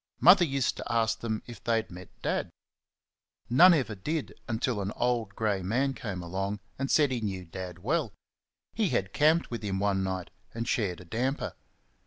Mother used to ask them if they had met Dad? None ever did until an old grey man came along and said he knew Dad well he had camped with him one night and shared a damper.